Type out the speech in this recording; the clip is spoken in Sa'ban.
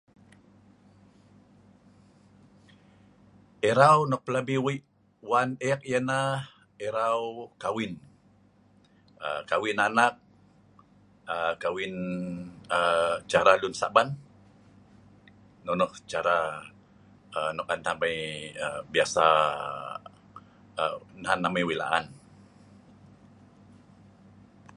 Erau nok pelabi Wei wan eek ialah erau kawin.kawin anak, Cara lun saban, nonoh nok Wei laan amai.